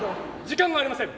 時間がありません。